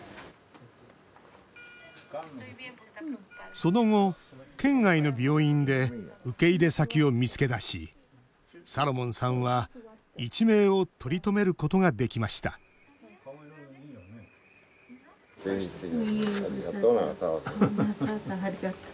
その後、県外の病院で受け入れ先を見つけ出しサロモンさんは、一命を取り留めることができましたありがとう、長澤さん。